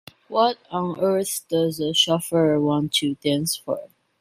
What on earth does a chauffeur want to dance for?